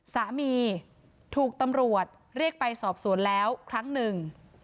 สามีถูกตำรวจเรียกไปสอบสวนแล้วครั้งหนึ่ง